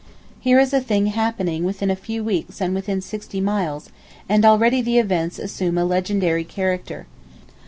Here is a thing happening within a few weeks and within sixty miles, and already the events assume a legendary character.